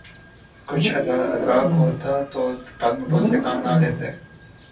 کچھ ادراک ہوتا تو ٹال مٹول سے کام نہ لیتے۔